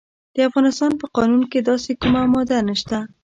د افغانستان په قانون کې داسې کومه ماده نشته.